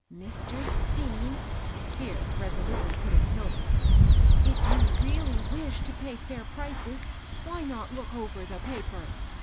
'* "Mr, Stean," here resolutely put in EGlda, " if you really wish to pay fair prices, why not look over the paper?